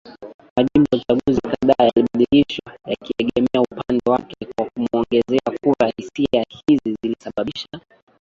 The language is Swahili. majimbo ya uchaguzi kadhaa yalibadilishwa yakiegemea upande wake kwa kumwongezea kura Hisia hizi zilisababisha